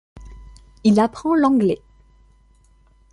Il apprend l'anglais.